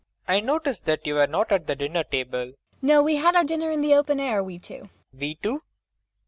] I noticed that you were not at the dinner table. MAIA. No, we had our dinner in the open air, we two. PROFESSOR RUBEK. "We two"?